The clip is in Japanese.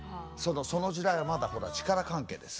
その時代はまだほら力関係です。